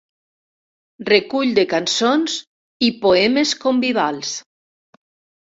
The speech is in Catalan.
Recull de cançons i poemes convivals.